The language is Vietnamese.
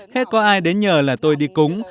hết có ai đến nhờ là tôi đi cúng